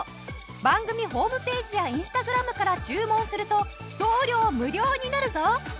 番組ホームページやＩｎｓｔａｇｒａｍから注文すると送料無料になるぞ。